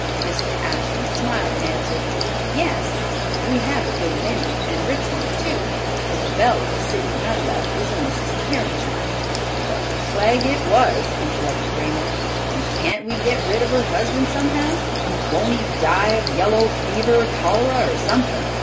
Mr. Ashton smiled and answered, "Yes, we have a good many, and rich ones too; but the belle of the city when I left was a Mrs. Carrington—" "The plague it was!" interrupted Raymond, "and can't we get rid of her husband somehow? Won't he die of yellow fever, cholera or something?